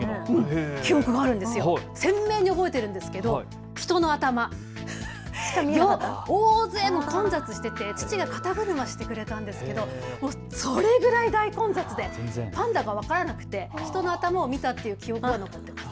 鮮明に覚えているんですけど人の頭、大勢混雑していて父が肩車してくれたんですけれどもそれぐらい混雑でパンダが分からなくて人の頭を見たっていう記憶が。